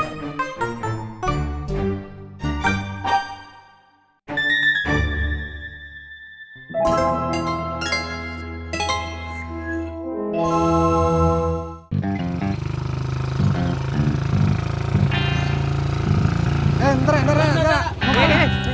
eh ntar ntar ntar